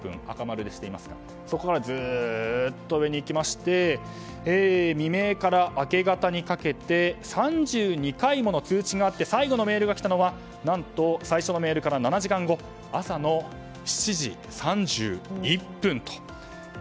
赤丸にしていますがそこからずっと上に行きまして未明から明け方にかけて３２回もの通知があって最後のメールが来たのは何と最初のメールから７時間後朝の７時３１分と。